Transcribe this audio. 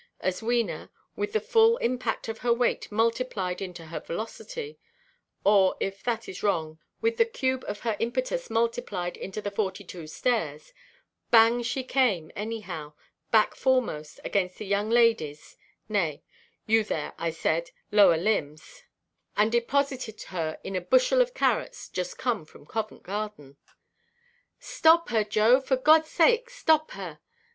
as Wena, with the full impact of her weight multiplied into her velocity; or, if that is wrong, with the cube of her impetus multiplied into the forty–two stairs—bang she came anyhow, back–foremost, against the young ladyʼs—nay, you there, I said, "lower limbs"—and deposited her in a bushel of carrots, just come from Covent Garden. "Stop her, Joe, for Godʼs sake, stop her!"